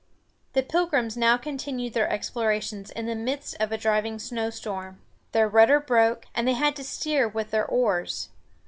The Pilgrims now continued their explorations in the midst of a driving snowstorm. Their rudder broke, and they had to steer with their oars.